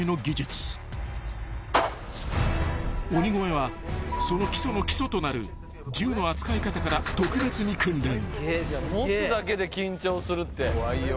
［鬼越はその基礎の基礎となる銃の扱い方から特別に訓練］